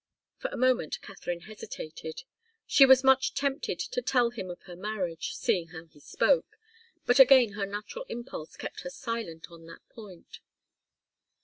For a moment Katharine hesitated. She was much tempted to tell him of her marriage, seeing how he spoke, but again her natural impulse kept her silent on that point.